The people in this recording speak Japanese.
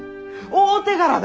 大手柄だ！